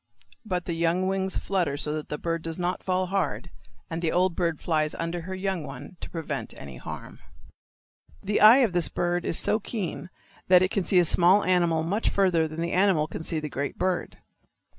But the young wings flutter so that the bird does not fall hard, and the old bird flies under her young one to prevent any harm. The eye of this bird is so keen that it can see a small animal much farther than the animal can see the great bird.